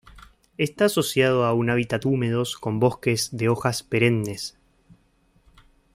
Está asociado a un hábitat húmedos con bosques de hojas perennes.